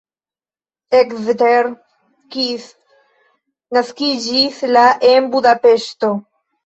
Eszter Kiss naskiĝis la en Budapeŝto.